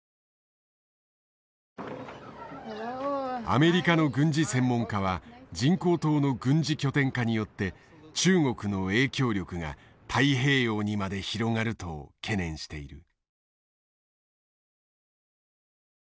アメリカの軍事専門家は人工島の軍事拠点化によって中国の影響力が太平洋にまで広がると懸念している。